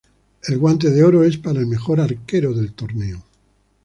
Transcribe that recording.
El Guante de Oro es para el mejor arquero del torneo.